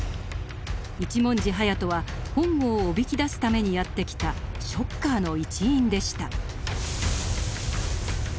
一文字隼人は本郷をおびき出すためにやって来たショッカーの一員でした。